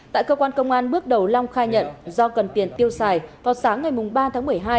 tại cơ quan công an bước đầu long khai nhận do cần tiền tiêu xài vào sáng ngày ba tháng một mươi hai